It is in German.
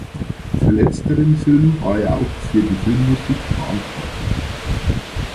Für letzteren Film war er auch für die Filmmusik verantwortlich.